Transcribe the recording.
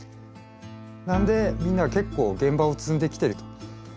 なんでみんなは結構現場を積んできてると。